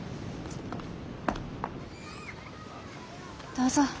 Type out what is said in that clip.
どうぞ。